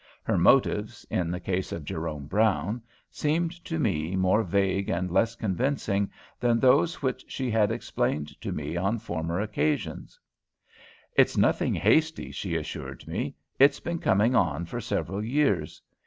Her motives, in the case of Jerome Brown, seemed to me more vague and less convincing than those which she had explained to me on former occasions. "It's nothing hasty," she assured me. "It's been coming on for several years.